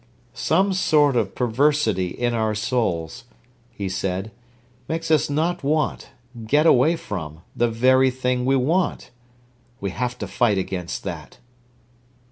"Some sort of perversity in our souls," he said, "makes us not want, get away from, the very thing we want. We have to fight against that."